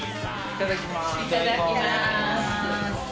いただきます。